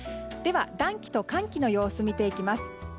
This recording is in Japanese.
では暖気と寒気の様子見ていきます。